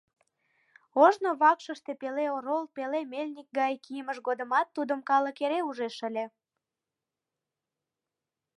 Ожно вакшыште пеле орол, пеле мельник гай кийымыж годымат тудым калык эре ужеш ыле.